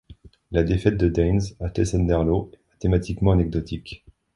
La défaite de Deinze à Tessenderlo est mathématiquement anecdotique.